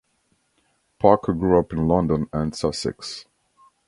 Parker grew up in London and Sussex.